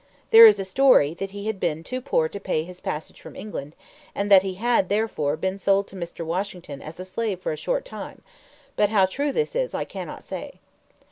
There is a story that he had been too poor to pay his passage from England, and that he had, therefore, been sold to Mr. Washington as a slave for a short time; but how true this is, I cannot say.